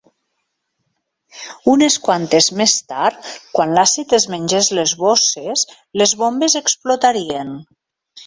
Unes quantes més tard, quan l'àcid es mengés les bosses, les bombes explotarien.